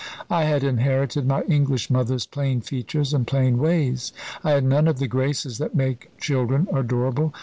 I had inherited my English mother's plain features and plain ways. I had none of the graces that make children adorable.